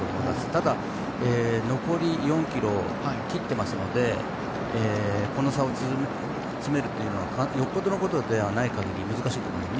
ただ、残り４ｋｍを切っていますのでこの差を詰めるのはよほどのことがない限りは難しいと思います。